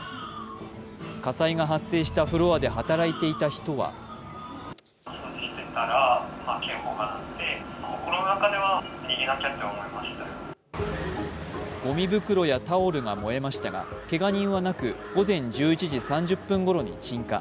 火災が発生したフロアで働いていた人はごみ袋やタオルが燃えましたが、けが人はなく午前１１時３０分ごろに鎮火。